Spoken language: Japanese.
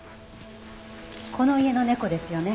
この家の猫ですよね？